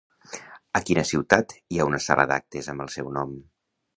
A quina ciutat hi ha una sala d'actes amb el seu nom?